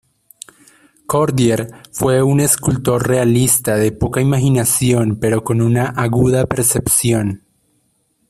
Cordier fue un escultor realista de poca imaginación, pero con una aguda percepción.